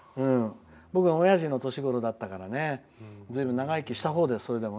僕はおやじの年ごろだったから随分長生きした方です。